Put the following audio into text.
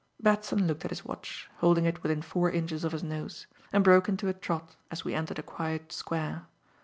Batson looked at his watch holding it within four inches of his nose and broke into a trot as we entered a quiet square.